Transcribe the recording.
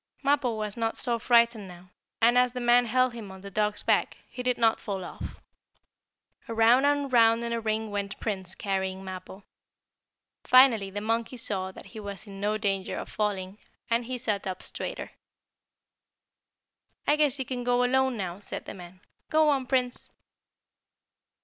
Mappo was not so frightened now, and as the man held him on the dog's back, he did not fall off. Around and around in a ring went Prince carrying Mappo. Finally the monkey saw that he was in no danger of falling, and he sat up straighter. "I guess you can go alone now," said the man. "Go on, Prince!"